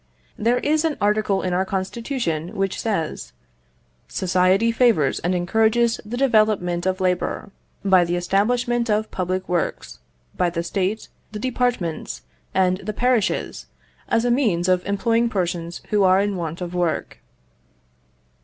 There is an article in our constitution which says: "Society favours and encourages the development of labour by the establishment of public works, by the State, the departments, and the parishes, as a means of employing persons who are in want of work."